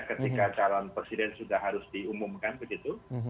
ketika calon presiden sudah harus diumumkan begitu